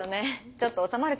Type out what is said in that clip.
ちょっと収まる